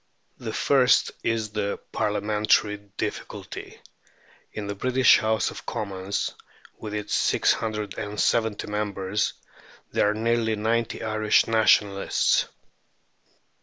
The first is the Parliamentary difficulty. In the British House of Commons, with its six hundred and seventy members, there are nearly ninety Irish Nationalists.